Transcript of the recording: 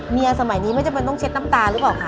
สมัยนี้ไม่จำเป็นต้องเช็ดน้ำตาหรือเปล่าคะ